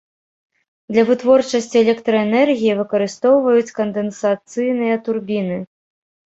Для вытворчасці электраэнергіі выкарыстоўваюць кандэнсацыйная турбіны.